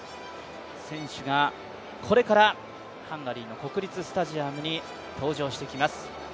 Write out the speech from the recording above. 選手がこれからハンガリーの国立スタジアムに登場してきます。